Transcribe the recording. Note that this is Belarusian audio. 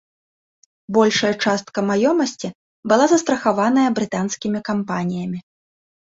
Большая частка маёмасці была застрахаваная брытанскімі кампаніямі.